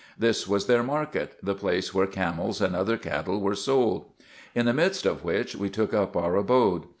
This was their market, the place where camels and other cattle were sold ; in the midst of which we took up our abode.